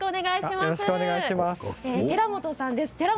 寺本さんです。